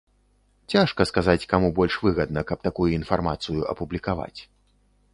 Цяжка сказаць, каму больш выгадна, каб такую інфармацыю апублікаваць.